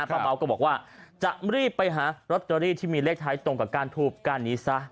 เบาก็บอกว่าจะรีบไปหาลอตเตอรี่ที่มีเลขท้ายตรงกับการทูบการนี้ซะ